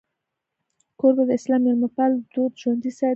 کوربه د اسلام میلمهپال دود ژوندی ساتي.